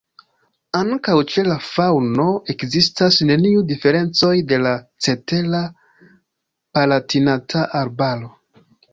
Ankaŭ ĉe la faŭno ekzistas neniu diferencoj al la cetera Palatinata Arbaro.